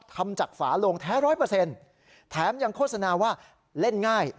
ทำจากฝาโลงแท้ร้อยเปอร์เซ็นต์แถมยังโฆษณาว่าเล่นง่าย